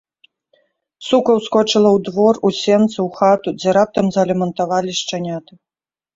Сука ўскочыла ў двор, у сенцы, у хату, дзе раптам залямантавалі шчаняты.